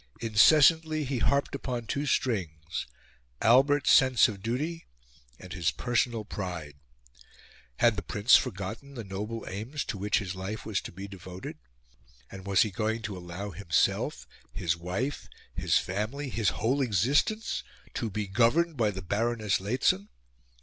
Incessantly, he harped upon two strings Albert's sense of duty and his personal pride. Had the Prince forgotten the noble aims to which his life was to be devoted? And was he going to allow himself, his wife, his family, his whole existence, to be governed by Baroness Lehzen?